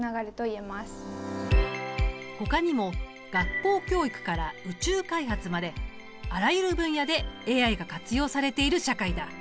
ほかにも学校教育から宇宙開発まであらゆる分野でＡＩが活用されている社会だ。